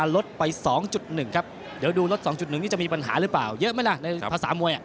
ลดไป๒๑ครับเดี๋ยวดูลด๒๑นี่จะมีปัญหาหรือเปล่าเยอะไหมล่ะในภาษามวย